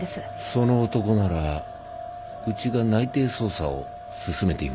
その男ならうちが内偵捜査を進めています。